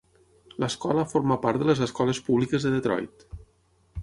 L'escola forma part de les Escoles Públiques de Detroit.